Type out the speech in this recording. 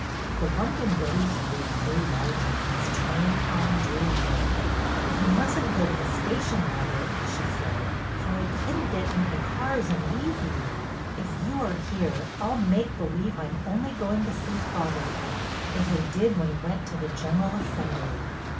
The lump in Betty's throat grew larger as train time drew near. " You must n't go to the station, mother," she said, " for I could n't get into the cars and leave you. If you are here, I 'll make believe I 'm only going to see father off, as I did when he went to the General Assembly."